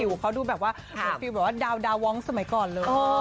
ภิวเขาดูแบบว่าดาวว้องสมัยก่อนเลย